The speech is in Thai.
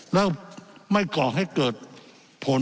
และไม่ก่อให้เกิดขึ้น